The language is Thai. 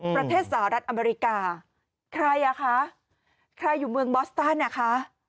ประเทศสหรัฐอเมริกาใครอ่ะคะใครอยู่เมืองบอสตันนะคะ